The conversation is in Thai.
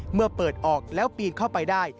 เมื่อเปิดออกแล้วปีนเข้าไปได้